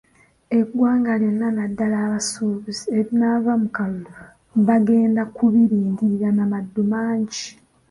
Eggwanga lyonna naddala abasuubuzi ebinaava mu kalulu bagenda kubirindirira n'amaddu mangi.